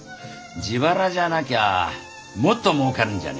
自腹じゃなきゃもっともうかるんじゃねえか？